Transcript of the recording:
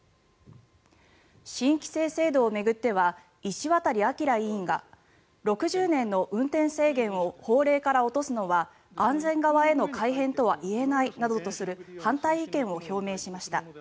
新規制制度を巡っては石渡明委員が６０年の運転制限を法令から落とすのは安全側への改変とは言えないなどとする反対意見を表明しました。